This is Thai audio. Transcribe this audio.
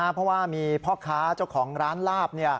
เพราะว่ามีพ่อค้าเจ้าของร้านลาบ